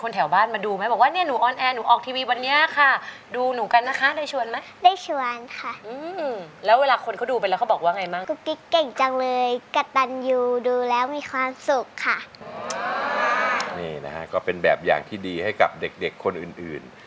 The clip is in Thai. แล้วมีความสุขค่ะนี่นะฮะก็เป็นแบบอย่างที่ดีให้กับเด็กเด็กคนอื่นอื่น